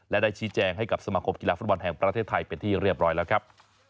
และได้ชี้แจงให้กับสมาคมกีฬาฟุตบอลแห่งประเทศไทยเป็นที่เรียบร้อยแล้วครับ